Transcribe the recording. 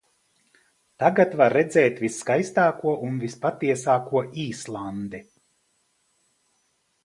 Tagad var redzēt visskaistāko un vispatiesāko Islandi.